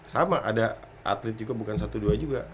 sama ada atlet juga bukan satu dua juga